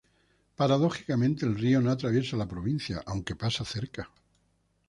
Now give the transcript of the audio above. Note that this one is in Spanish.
Paradójicamente, el río no atraviesa la provincia, aunque pasa cerca.